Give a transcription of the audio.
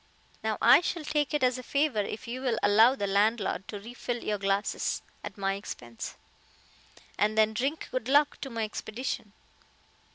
Now, I shall take it as a favor if you'll allow the landlord to re fill your glasses at my expense, and then drink good luck to my expedition."